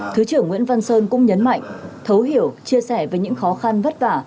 thứ trưởng nguyễn văn sơn cũng nhấn mạnh thấu hiểu chia sẻ với những khó khăn vất vả